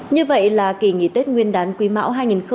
như vậy là kỳ nghỉ tết nguyên đán quý mão hai nghìn hai mươi bốn